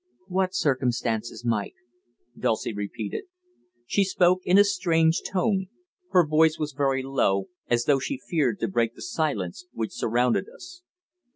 "What circumstances, Mike?" Dulcie repeated. She spoke in a strange tone. Her voice was very low, as though she feared to break the silence which surrounded us.